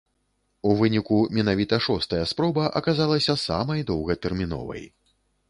У выніку менавіта шостая спроба аказалася самай доўгатэрміновай.